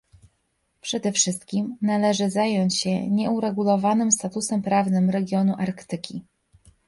Przede wszystkim należy zająć się nieuregulowanym statusem prawnym regionu Arktyki